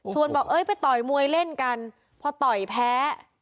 บอกเอ้ยไปต่อยมวยเล่นกันพอต่อยแพ้